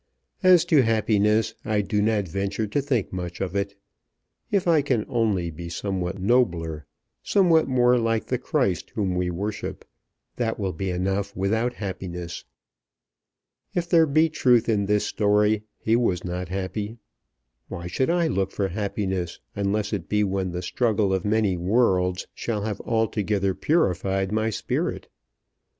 As to happiness, I do not venture to think much of it. If I can only be somewhat nobler, somewhat more like the Christ whom we worship, that will be enough without happiness. If there be truth in this story, He was not happy. Why should I look for happiness, unless it be when the struggle of many worlds shall have altogether purified my spirit?